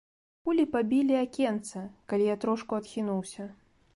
Кулі пабілі акенца, калі я трошку адхінуўся.